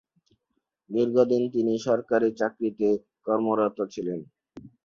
দীর্ঘদিন তিনি সরকারি চাকুরিতে কর্মরত ছিলেন।